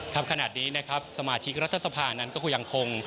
ขนาดนี้นะครับสมาชิกรัฐสภานั้นก็คงยังคง